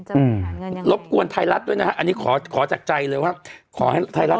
อืมรบกวนไทยรัฐด้วยนะฮะอันนี้ขอขอจากใจเลยว่าขอให้ไทยรัฐ